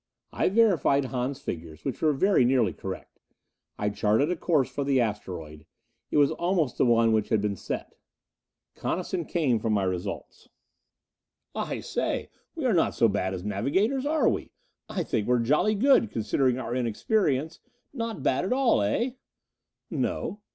I verified Hahn's figures, which were very nearly correct. I charted a course for the asteroid; it was almost the one which had been set. Coniston came for my results. "I say, we are not so bad as navigators, are we? I think we're jolly good, considering our inexperience. Not bad at all, eh?" "No."